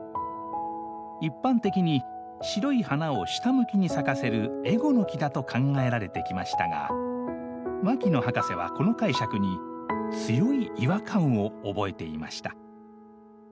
一般的に白い花を下向きに咲かせるエゴノキだと考えられてきましたが牧野博士はこの解釈に強い違和感を覚えていました。